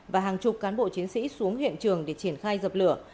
và hàng chục cán bộ chiến sĩ xuống hiện trường để triển khai dập lửa